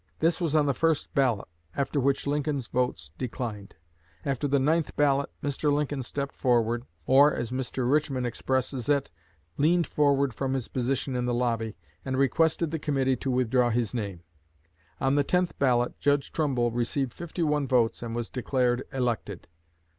This was on the first ballot, after which Lincoln's votes declined. After the ninth ballot, Mr. Lincoln stepped forward or, as Mr. Richmond expresses it, leaned forward from his position in the lobby and requested the committee to withdraw his name. On the tenth ballot Judge Trumbull received fifty one votes and was declared elected."